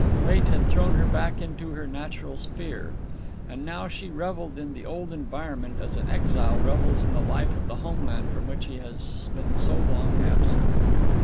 Fate had thrown her back into her natural sphere. And now she revelled in the old environment as an exile revels in the life of the homeland from which he has been so long absent.